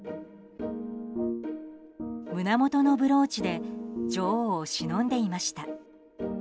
胸元のブローチで女王をしのんでいました。